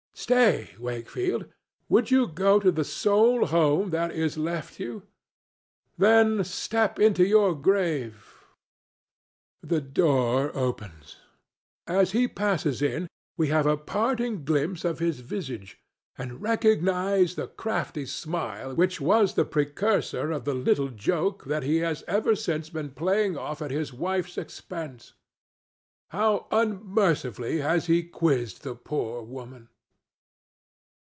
—Stay, Wakefield! Would you go to the sole home that is left you? Then step into your grave.—The door opens. As he passes in we have a parting glimpse of his visage, and recognize the crafty smile which was the precursor of the little joke that he has ever since been playing off at his wife's expense. How unmercifully has he quizzed the poor woman!